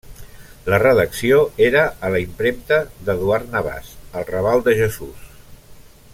La redacció era a la Impremta d'Eduard Navàs, al raval de Jesús.